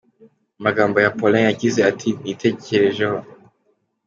mu magambo ye Paulin yagize ati Nitekerejeho,.